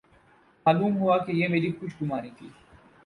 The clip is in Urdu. معلوم ہوا یہ میری خوش گمانی تھی۔